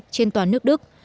trên toàn nước đức